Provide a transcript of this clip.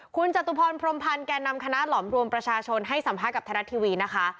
คุณจตุพรพรมพันธ์แก่นำคณะหลอมรวมประชาชนให้สัมภาษณ์กับไทยรัฐทีวีนะคะ